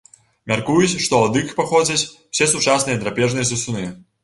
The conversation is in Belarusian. Мяркуюць, што ад іх паходзяць усе сучасныя драпежныя сысуны.